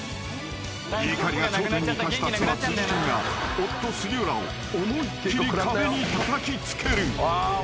［怒りが頂点に達した妻辻ちゃんが夫杉浦を思いっ切り壁にたたきつける］